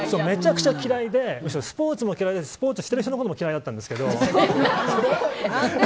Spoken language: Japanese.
めちゃくちゃ嫌いでスポーツも嫌いでスポーツしてる人のことも嫌いだったんですけど。